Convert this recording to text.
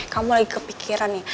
kamu lagi kepikiran ya